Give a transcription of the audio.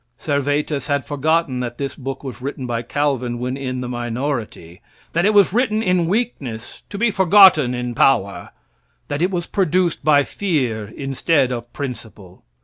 Servetus had forgotten that this book was written by Calvin when in the minority; that it was written in weakness to be forgotten in power; that it was produced by fear instead of principle.